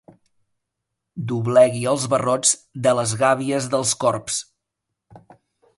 Doblegui els barrots de les gàbies dels corbs.